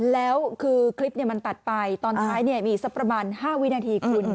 แล้วคือคลิปเนี่ยมันตัดไปตอนต่อมามีประมาณ๕วินาที